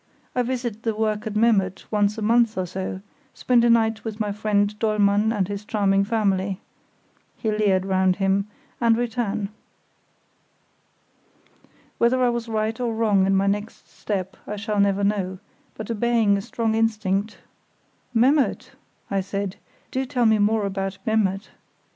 I visit the work at Memmert once a month or so, spend a night with my friend Dollmann and his charming family" (he leered round him), "and return." Whether I was right or wrong in my next step I shall never know, but obeying a strong instinct, "Memmert," I said; "do tell me more about Memmert.